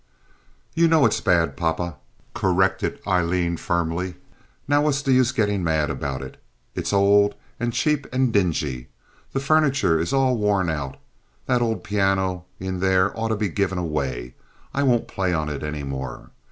"You know it's bad, papa," corrected Aileen, firmly. "Now what's the use getting mad about it? It's old and cheap and dingy. The furniture is all worn out. That old piano in there ought to be given away. I won't play on it any more.